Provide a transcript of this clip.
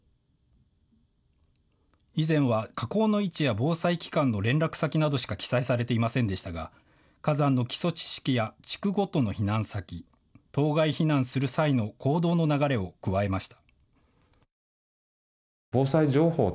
以前は火口の位置や防災機関の連絡先などしか記載されていませんでしたが火山の基礎知識や地区ごとの避難先、島外避難する際の行動の流れを加えました。